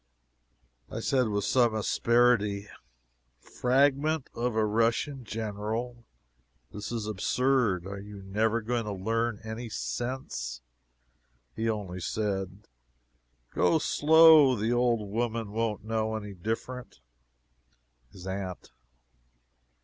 I said with some asperity: "Fragment of a Russian General! This is absurd. Are you never going to learn any sense?" He only said: "Go slow the old woman won't know any different." [His aunt.